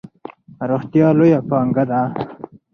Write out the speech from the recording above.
روغتیا لویه پانګه ده.